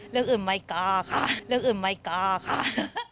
เรื่องอื่นไม่กล้า